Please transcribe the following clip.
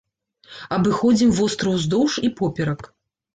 Абыходзім востраў уздоўж і поперак.